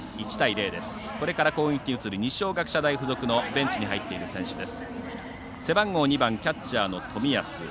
これから攻撃に移る二松学舎大付属のベンチに入っている選手です。